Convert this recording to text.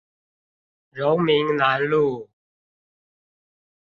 榮民南路